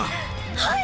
はい！